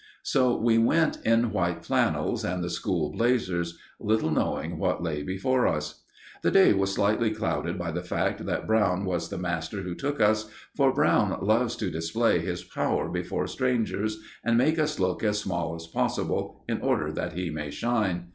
So we went in white flannels and the school blazers, little knowing what lay before us. The day was slightly clouded by the fact that Brown was the master who took us, for Brown loves to display his power before strangers, and make us look as small as possible in order that he may shine.